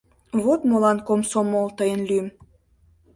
Вот молан, комсомол, тыйын лӱм